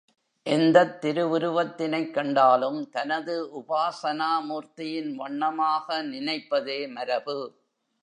எந்தத் திருவுருவத் தினைக் கண்டாலும் தனது உபாசனா மூர்த்தியின் வண்ணமாக நினைப்பதே மரபு.